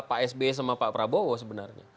pak sby sama pak prabowo sebenarnya